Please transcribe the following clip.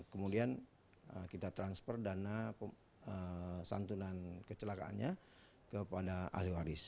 kemudian kita transfer dana santunan kecelakaannya kepada ahli waris